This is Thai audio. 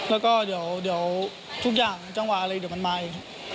แล้วก็เดี๋ยวทุกอย่างจังหวะอะไรเดี๋ยวมันมาอีก